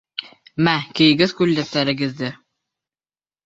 Мә, кейегеҙ күлдәктәрегеҙҙе!